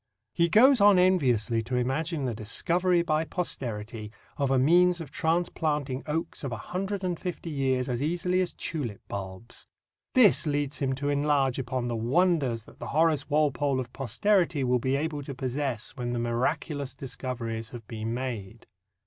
He goes on enviously to imagine the discovery by posterity of a means of transplanting oaks of a hundred and fifty years as easily as tulip bulbs. This leads him to enlarge upon the wonders that the Horace Walpole of posterity will be able to possess when the miraculous discoveries have been made.